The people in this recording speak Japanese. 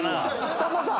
さんまさん！